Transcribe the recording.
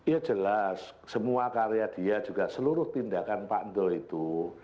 ya jelas semua karya dia juga seluruh tindakan pak dul itu